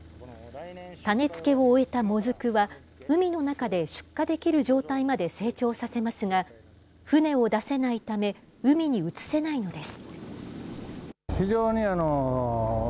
種付けを終えたもずくは海の中で出荷できる状態まで成長させますが、船を出せないため、海に移せないのです。